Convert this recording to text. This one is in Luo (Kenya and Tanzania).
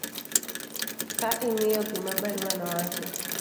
ka ing'iyo gima barua no wacho